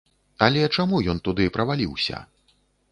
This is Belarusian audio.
Але чаму ён туды праваліўся?